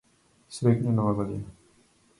Среќна нова година.